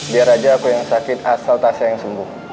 biar aja aku yang sakit asal tasya yang sembuh